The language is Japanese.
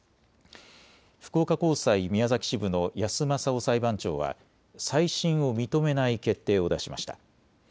福岡高裁宮崎支部の矢数昌雄裁判長は再審を認めない決定を出しました。